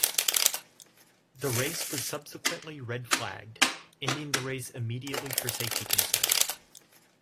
The race was subsequently red flagged, ending the race immediately for safety concerns.